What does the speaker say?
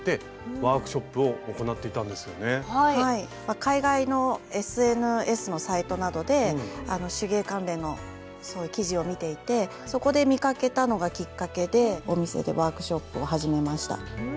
海外のＳＮＳのサイトなどで手芸関連のそういう記事を見ていてそこで見かけたのがきっかけでお店でワークショップを始めました。